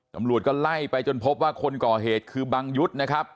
ตำรวจก็ไล่ไปจนพบว่าคนก่อเหตุคือบังยุทธ์นะครับ